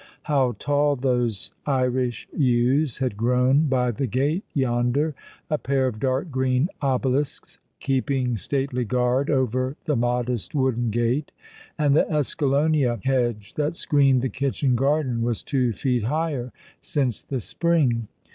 How tall those Irish yews had grown by the gate yonder, a pair of dark green obelisks keeping stately guard over the modest wooden gate ; and the escalonia hedge that screened the kitchen garden was two feet higher since the spring!